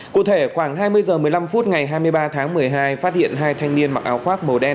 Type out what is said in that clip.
cụ thể khoảng hai mươi h một mươi năm phút ngày hai mươi ba tháng một mươi hai phát hiện hai thanh niên mặc áo khoác màu đen